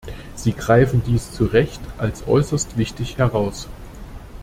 Sie greifen dies zu Recht als äußerst wichtig heraus.